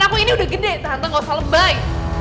kamu ini udah gede tante gak usah lebay